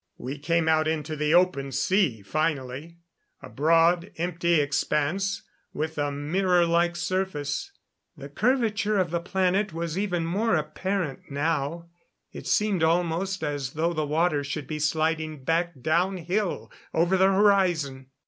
We came out into the open sea finally a broad, empty expanse, with a mirrorlike surface. The curvature of the planet was even more apparent now; it seemed almost as though the water should be sliding back downhill over the horizon.